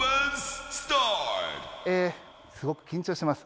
すごく緊張してます。